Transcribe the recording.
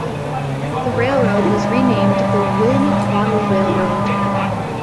This railroad was renamed the Willamette Valley Railroad.